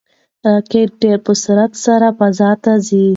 راکټ ډېر په سرعت سره فضا ته ځي.